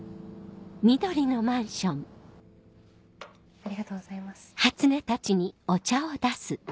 ありがとうございます。